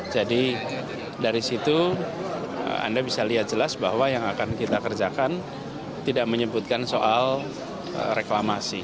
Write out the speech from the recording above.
jadi dari situ anda bisa lihat jelas bahwa yang akan kita kerjakan tidak menyebutkan soal reklamasi